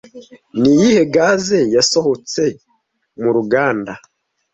Niyihe gaze yasohotse mu ruganda